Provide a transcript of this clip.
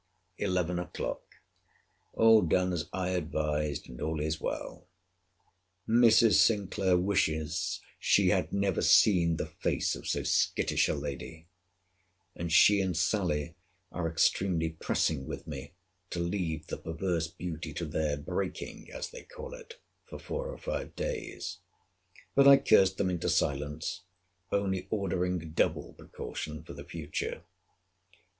ELEVEN O'CLOCK. All done as I advised; and all is well. Mrs. Sinclair wishes she had never seen the face of so skittish a lady; and she and Sally are extremely pressing with me, to leave the perverse beauty to their breaking, as they call it, for four or five days. But I cursed them into silence; only ordering double precaution for the future.